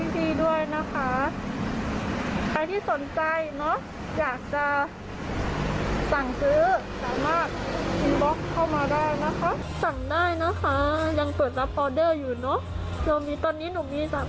ตอนนี้หนูมี๓เซตนะคะ